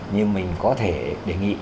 nhưng mình có thể đề nghị